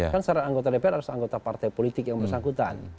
kan anggota dpr harus anggota partai politik yang bersangkutan